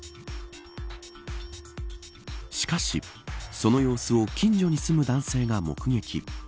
しかし、その様子を近所に住む男性が目撃。